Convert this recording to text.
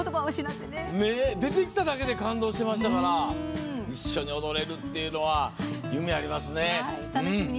出てきただけで感動してましたから一緒に踊れるっていうのは夢ありますね。